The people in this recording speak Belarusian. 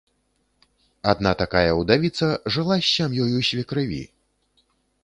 Адна такая ўдавіца жыла з сям'ёю свекрыві.